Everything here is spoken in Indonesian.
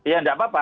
ya tidak apa apa